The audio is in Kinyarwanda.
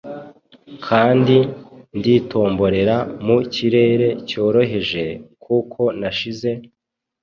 Kandi nditotombera mu kirere cyoroheje, kuko nashize